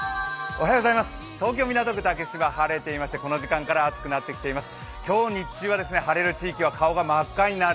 東京・港区竹芝、晴れていまして、この時間から暑くなっています。